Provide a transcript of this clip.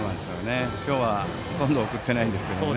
今日はほとんど送ってないですけどね。